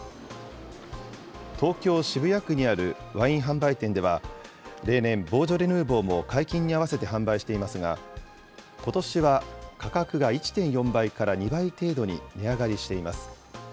東京・渋谷区にあるワイン販売店では、例年、ボージョレ・ヌーボーも解禁に合わせて販売していますが、ことしは価格が１．４倍から２倍程度に値上がりしています。